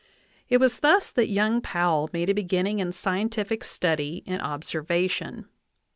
It was thus that young Powell made a be ginning in scientific study and observation.